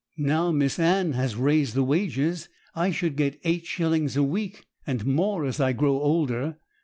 'Now Miss Anne has raised the wages, I should get eight shillings a week, and more as I grow older.